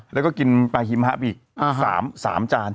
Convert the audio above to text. แล้วก็กินปลาฮิมฮะอีก๓จาน